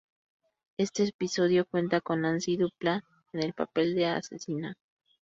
Este episodio cuenta con Nancy Dupláa, en el papel de asesina.